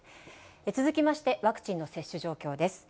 続きまして、ワクチンの接種状況です。